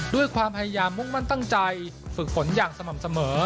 ด้วยความพยายามมุ่งมั่นตั้งใจฝึกฝนอย่างสม่ำเสมอ